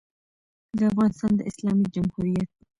د افغانستان د اسلامي جمهوریت